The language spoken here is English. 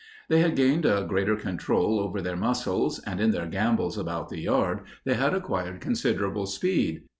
They had gained a greater control over their muscles and in their gambols about the yard they had acquired considerable speed.